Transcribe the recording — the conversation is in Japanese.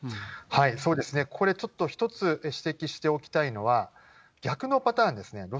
そうですね、これちょっと一つ、指摘しておきたいのは、逆のパターンですね。